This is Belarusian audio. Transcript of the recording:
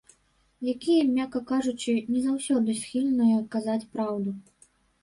Якія, мякка кажучы, не заўсёды схільныя казаць праўду.